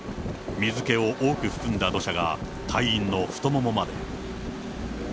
水けを多く含んだ土砂が、隊員の太ももまで。